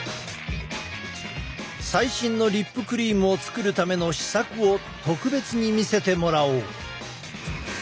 最新のリップクリームを作るための試作を特別に見せてもらおう。